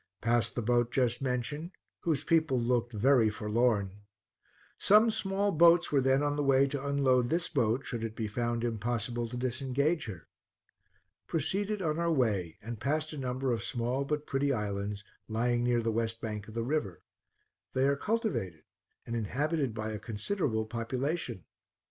Passed the boat just mentioned, whose people looked very forlorn. Some small boats were then on the way to unload this boat, should it be found impossible to disengage her. Proceeded on our way, and passed a number of small but pretty islands, lying near the west bank of the river. They are cultivated and inhabited by a considerable population.